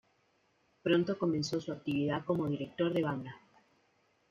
Pronto comenzó su actividad como director de banda.